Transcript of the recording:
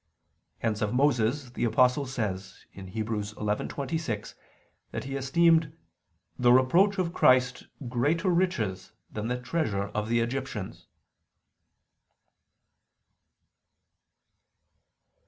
Hence of Moses the Apostle says (Heb. 11:26) that he esteemed "the reproach of Christ greater riches than the treasure of the Egyptians."